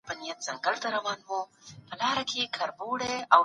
هغه وويل چي امن مهم دی.